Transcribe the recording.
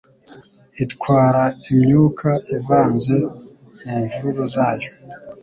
itwara imyuka ivanze mu mvururu zayo